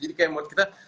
jadi kayak menurut kita